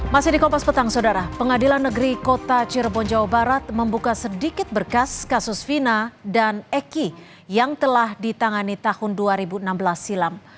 masih di kompas petang saudara pengadilan negeri kota cirebon jawa barat membuka sedikit berkas kasus vina dan eki yang telah ditangani tahun dua ribu enam belas silam